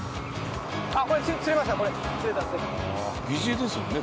疑似餌ですよね？